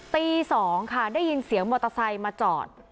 ตี๒ค่ะได้ยินเสียงมอเตอร์ไซค์มาจอด